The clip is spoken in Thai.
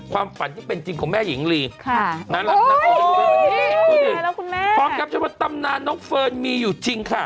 ความฝันที่เป็นจริงของแม่หญิงลีค่ะน่ารักน้องเฟิร์นมีอยู่จริงค่ะ